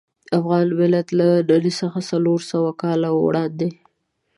افغان ملت له نن څخه څلور سوه کاله وړاندې.